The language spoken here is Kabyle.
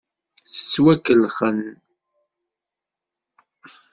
Ttwakellxen.